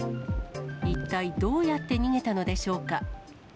一体どうやって逃げたのでしょうか。